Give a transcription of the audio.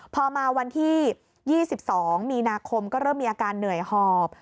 พอมาวันที่๒๒มีนาคมก็เริ่มมีอาการเหนื่อยหอบ